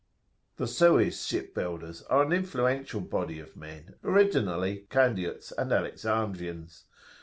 [FN#25]" "The Suez ship builders are an influential body of men, originally Candiots and Alexandrians.